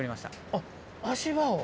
あっ足場を？